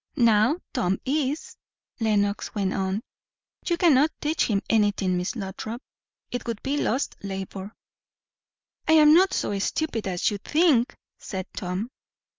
"Now Tom is," Lenox went on. "You cannot teach him anything, Miss Lothrop. It would be lost labour." "I am not so stupid as you think," said Tom.